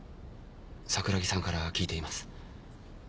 櫻木さんから聞いています。